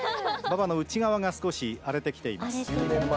馬場の内側が少し荒れてきています。